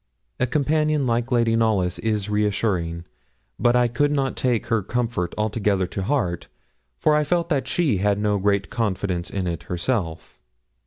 A companion like Lady Knollys is reassuring; but I could not take her comfort altogether to heart, for I felt that she had no great confidence in it herself.